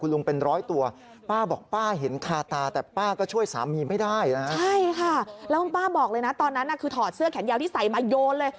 แล้วป้าบอกเลยณตอนนั้นคือถอดเสื้อแขนยาวที่ใส่มาโยนเลย